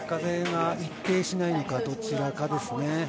風が一定しないのか、どちらかですね。